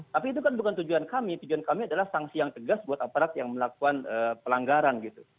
tapi itu kan bukan tujuan kami tujuan kami adalah sanksi yang tegas buat aparat yang melakukan pelanggaran gitu